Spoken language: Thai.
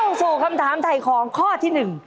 เข้าสู่คำถามไถ่ของข้อที่หนึ่ง